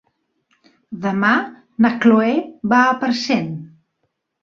Demà na Chloé va a Parcent.